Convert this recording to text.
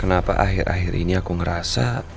kenapa akhir akhir ini aku ngerasa